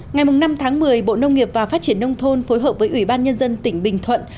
ngày năm tháng một mươi bộ nông nghiệp và phát triển nông thôn phối hợp với ủy ban nhân dân tỉnh bình thuận